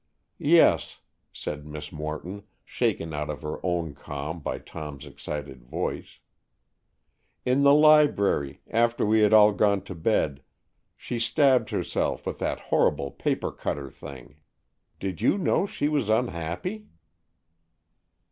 "Yes," said Miss Morton, shaken out of her own calm by Tom's excited voice. "In the library, after we had all gone to bed, she stabbed herself with that horrible paper cutter thing. Did you know she was unhappy?"